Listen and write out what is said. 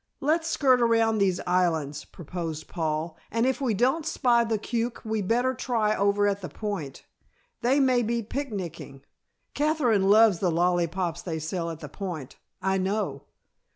"Let's skirt around these islands," proposed Paul, "and if we don't spy the Cuke we better try over at the Point. They may be picnicking. Katherine loves the lollypops they sell at the Point I know."